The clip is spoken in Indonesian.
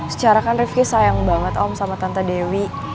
secara kan rifki sayang banget om sama tante dewi